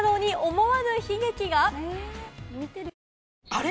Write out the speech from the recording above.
あれ？